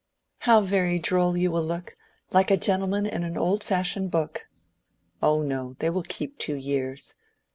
"How very droll you will look!—like a gentleman in an old fashion book." "Oh no, they will keep two years."